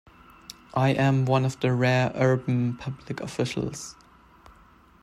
I am one of the rare urban public officials.